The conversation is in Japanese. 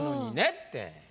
って。